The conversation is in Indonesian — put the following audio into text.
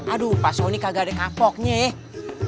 aduh pak sony kagak ada kapoknya ya